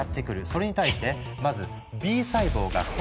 それに対してまずＢ細胞が抗体で狙撃。